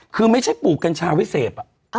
คือไม่ใช่ปลูกกัญชาวิเศษ